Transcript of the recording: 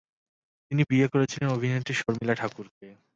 তিনি বিয়ে করেছিলেন অভিনেত্রী শর্মিলা ঠাকুরকে।